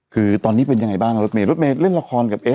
คือตอนนี้เป็นยังไงบ้างรถเมย์รถเมย์เล่นละครกับเอ๊